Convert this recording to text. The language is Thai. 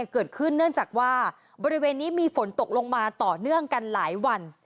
เนื่องจากว่าบริเวณนี้มีฝนตกลงมาต่อเนื่องกันหลายวัน